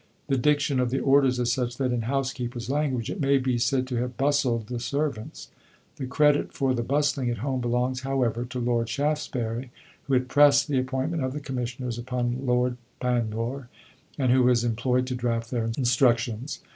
The diction of the orders is such that, in housekeeper's language, it may be said to have 'bustled the servants.'" The credit for the bustling at home belongs, however, to Lord Shaftesbury, who had pressed the appointment of the Commissioners upon Lord Panmure, and who was employed to draft their instructions.